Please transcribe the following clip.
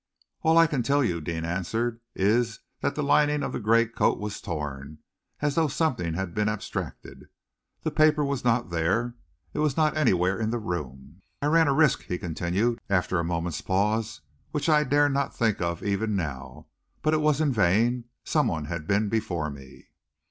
"All I can tell you," Deane answered, "is that the lining of the gray coat was torn, as though something had been abstracted. The paper was not there. It was not anywhere in the room. I ran a risk," he continued, after a moment's pause, "which I dare not think of, even now, but it was in vain. Someone had been before me."